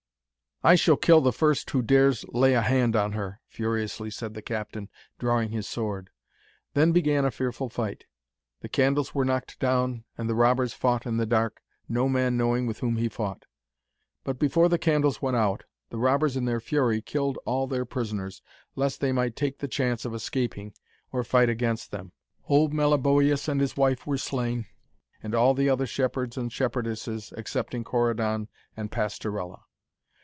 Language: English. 'I shall kill the first who dares lay a hand on her!' furiously said the captain, drawing his sword. Then began a fearful fight. The candles were knocked down, and the robbers fought in the dark, no man knowing with whom he fought. But before the candles went out, the robbers in their fury killed all their prisoners, lest they might take the chance of escaping, or fight against them. Old Meliboeus and his wife were slain, and all the other shepherds and shepherdesses, excepting Corydon and Pastorella.